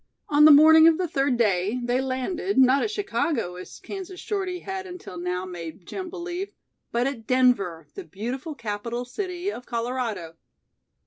On the morning of the third day they landed, not at Chicago, as Kansas Shorty had until now made Jim believe, but at Denver, the beautiful capital city of Colorado.